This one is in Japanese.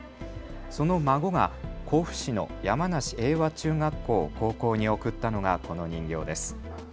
その孫が甲府市の山梨英和中学校・高校に贈ったのがこの人形です。